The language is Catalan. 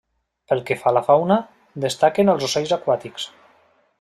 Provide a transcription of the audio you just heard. Pel que fa a la fauna, destaquen els ocells aquàtics.